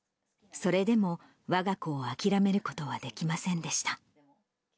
それでも、わが子を諦めることはできませんでした。